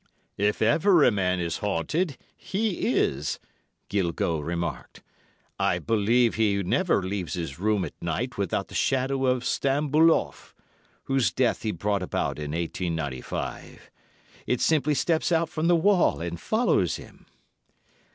'If ever a man is haunted, he is,' Guilgaut remarked. 'I believe he never leaves his room at night without the shadow of Stambuloff, whose death he brought about in 1895. It simply steps out from the wall and follows him.